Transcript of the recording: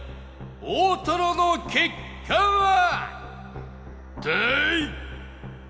大トロの結果は？